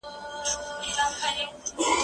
زه به کتابتوننۍ سره وخت تېره کړی وي،